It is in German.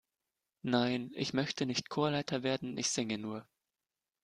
Nein, ich möchte nicht Chorleiter werden, ich singe nur.